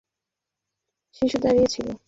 কোন ঘরের ছাদে নারী, শিশু দাড়িয়ে ছিল।